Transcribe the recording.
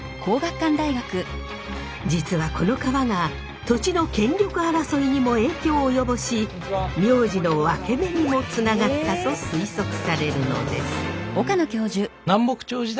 実はこの川が土地の権力争いにも影響を及ぼし名字のワケメにもつながったと推測されるのです。